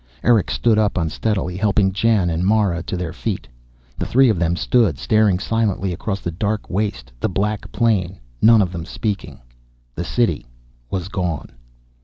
Erick stood up unsteadily, helping Jan and Mara to their feet. The three of them stood, staring silently across the dark waste, the black plain, none of them speaking. The City was gone.